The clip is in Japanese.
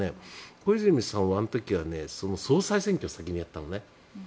小泉さんはあの時は総裁選挙を先にやったのね。